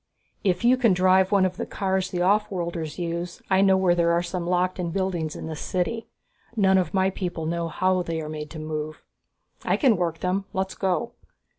"If you can drive one of the cars the offworlders use, I know where there are some locked in buildings in this city. None of my people know how they are made to move." "I can work them let's go."